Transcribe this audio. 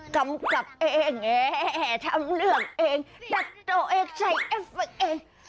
กำกับเองทำเรื่องเองตัดตัวเองใส่เอฟไว้เอง